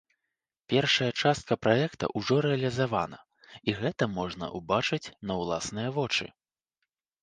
Першая частка праекта ўжо рэалізавана, і гэта можна ўбачыць на ўласныя вочы.